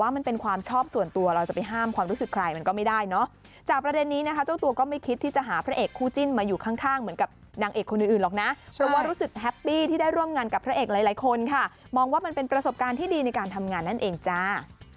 มองว่ามันเป็นประสบการณ์ที่ดีในการทำงานนั่นเองจ้า